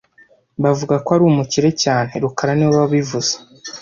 Bavuga ko ari umukire cyane rukara niwe wabivuze